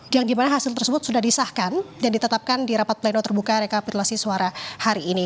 yang dimana hasil tersebut sudah disahkan dan ditetapkan di rapat pleno terbuka rekapitulasi suara hari ini